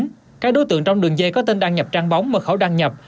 trước đó các đối tượng trong đường dây có tên đăng nhập trang bóng mật khẩu đăng nhập